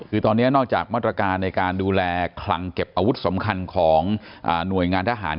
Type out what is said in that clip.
คือตอนนี้นอกจากมาตรการในการดูแลคลังเก็บอาวุธสำคัญของหน่วยงานทหาร